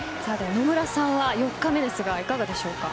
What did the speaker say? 野村さんは４日目ですがいかがでしょうか。